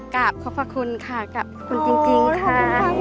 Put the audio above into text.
กราบขอบพระคุณค่ะขอบคุณจริงค่ะ